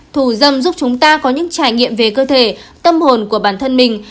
thủ dâm giúp chúng ta có những trải nghiệm về cơ thể tâm hồn của bản thân mình